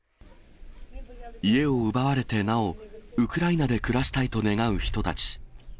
家を奪われてなお、ウクライナで暮らしたいと願う人たち。